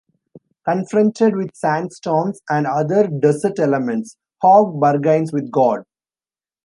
Confronted with sandstorms and other desert elements, Hogue bargains with God.